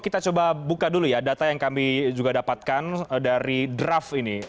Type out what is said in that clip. kita coba buka dulu ya data yang kami juga dapatkan dari draft ini